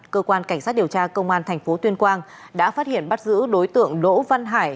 cơ quan cảnh sát điều tra công an tp tuyên quang đã phát hiện bắt giữ đối tượng lỗ văn hải